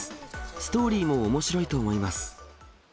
ストーリーもおもしろいと思います。